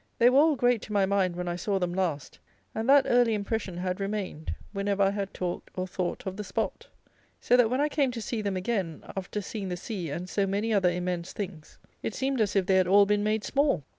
They were all great to my mind when I saw them last; and that early impression had remained, whenever I had talked or thought, of the spot; so that, when I came to see them again, after seeing the sea and so many other immense things, it seemed as if they had all been made small.